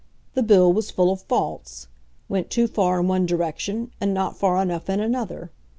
The Bill was full of faults, went too far in one direction, and not far enough in another.